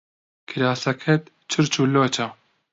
کراسەکەت چرچ و لۆچە.